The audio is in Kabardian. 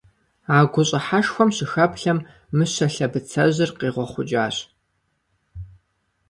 А гущӀыхьэшхуэм щыхэплъэм, Мыщэ лъэбыцэжьыр къигъуэхъукӀащ.